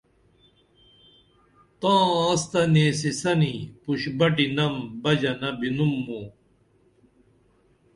تاں آںس تہ نیسی سنی پُش بٹینم بژنہ بِنُم موں